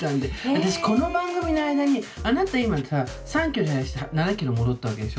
私この番組の間にあなた今さ３キロ減らして７キロ戻ったわけでしょ。